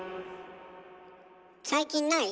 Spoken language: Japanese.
最近ない？